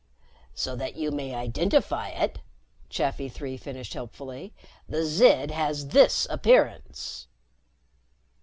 "So that you may identify it," Chafi Three finished helpfully, "the Zid has this appearance."